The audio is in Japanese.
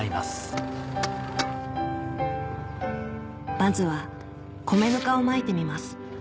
まずは米ぬかをまいてみます